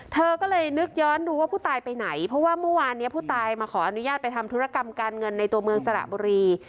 เธอก็เลยนึกย้อนดูว่าผู้ตายไปไหนเพราะว่าเมื่อวานนี้ผู้ตายมาขออนุญาตไปทำธุรกรรมการเงินในตัวเมืองสระบุรี